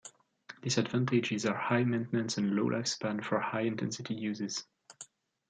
Disadvantages are high maintenance and low life-span for high intensity uses.